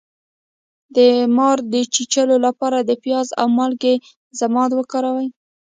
د مار د چیچلو لپاره د پیاز او مالګې ضماد وکاروئ